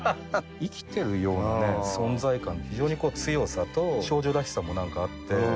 生きてるようなね、存在感、非常に強さと少女らしさもなんかあって。